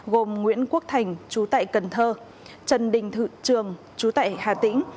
gồm nguyễn quốc thành chú tại cần thơ trần đình thự trường chú tại hà tĩnh